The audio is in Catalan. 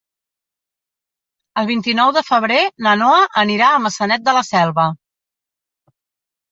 El vint-i-nou de febrer na Noa anirà a Maçanet de la Selva.